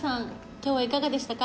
今日はいかがでしたか？